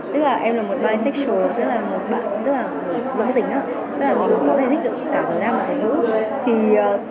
tức là em là một bi sexual tức là một bạn tức là một dân tính á tức là mình có thể giúp đỡ cả dân nam và dân hữu